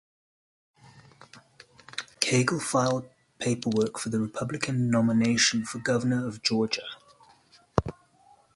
Cagle filed paperwork for the Republican nomination for Governor of Georgia.